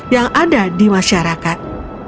yang ada di masyarakat